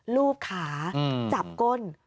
รูปขาจับก้น